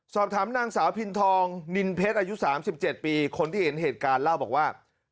สอบถามนางสาวพินทองนินเพชรอายุ๓๗ปีคนที่เห็นเหตุการณ์เล่าบอกว่า